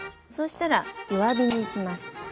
そうしたら弱火にします。